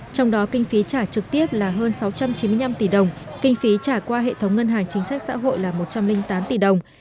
trong đó kinh phí trả trực tiếp là hơn sáu trăm chín mươi năm tỷ đồng kinh phí trả qua hệ thống ngân hàng chính sách xã hội là một trăm linh tám tỷ đồng